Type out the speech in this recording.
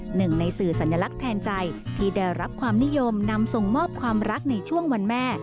หนึ่งในสื่อสัญลักษณ์แทนใจที่ได้รับความนิยมนำส่งมอบความรักในช่วงวันแม่